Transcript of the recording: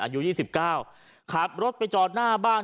อายุ๒๙ขับรถไปจอดหน้าบ้าน